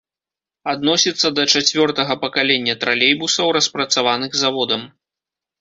Адносіцца да чацвёртага пакалення тралейбусаў, распрацаваных заводам.